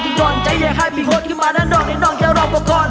จึงด่อนใจให้ภีโฆขึ้นมาดั่งจะรอบพอคอร์น